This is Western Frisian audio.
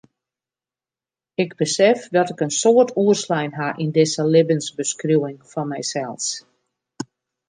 Ik besef dat ik in soad oerslein ha yn dizze libbensbeskriuwing fan mysels.